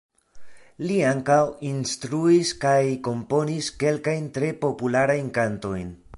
Li ankaŭ instruis kaj komponis kelkajn tre popularajn kantojn.